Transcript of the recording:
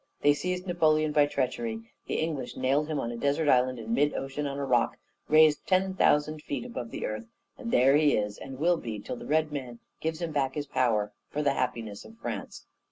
They seized Napoleon by treachery; the English nailed him on a desert island in mid ocean on a rock raised ten thousand feet above the earth; and there he is, and will be, till the Red Man gives him back his power for the happiness of France.